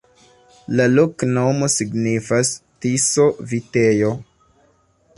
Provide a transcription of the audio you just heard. La loknomo signifas: Tiso-vitejo.